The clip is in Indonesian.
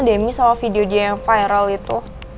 demi sama video dia yang viral itu